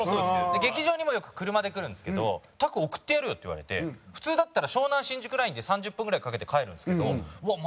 劇場にもよく車で来るんですけど「拓送ってやるよ」って言われて普通だったら湘南新宿ラインで３０分ぐらいかけて帰るんですけど「うわっ！